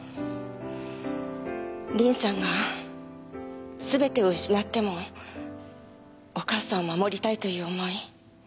凛さんが全てを失ってもお母さんを守りたいという思い